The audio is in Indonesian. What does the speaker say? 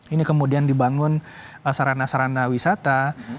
ini kemudian dibangun sarana sarana wisata